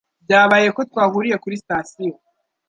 Byabaye ko twahuriye kuri sitasiyo.